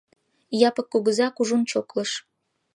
Япык кугыза кужун чоклыш.